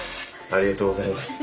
ありがとうございます。